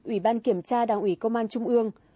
ủy ban kiểm tra đảng ủy công an trung ương